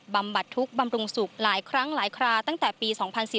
บำบัดทุกข์บำรุงสุขหลายครั้งหลายคราตั้งแต่ปี๒๔๙